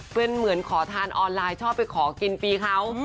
เป็นเหมือนขอทานออนไลน์ชอบไปขอกินฟรีเขา